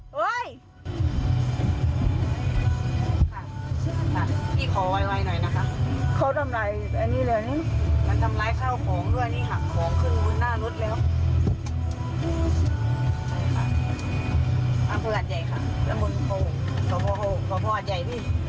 เป็นกู้ชีพค่ะรถพยาบาล